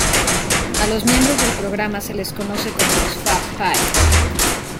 A los miembros del programa se les conoce como los "Fab Five".